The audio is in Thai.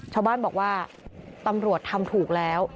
ชาวบ้านบอกว่าตำรวจทำถูกแล้ว